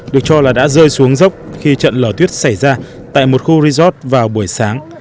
được cho là đã rơi xuống dốc khi trận lở tuyết xảy ra tại một khu resort vào buổi sáng